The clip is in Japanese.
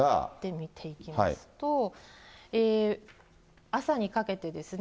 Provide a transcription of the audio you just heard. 見ていきますと、朝にかけてですね。